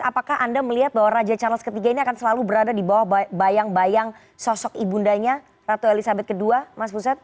apakah anda melihat bahwa raja charles iii ini akan selalu berada di bawah bayang bayang sosok ibundanya ratu elizabeth ii mas buset